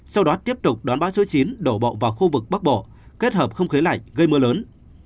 sau đó tiếp tục đón bão số chín đổ bộ vào khu vực bắc bộ kết hợp không khí lạnh gây mưa lớn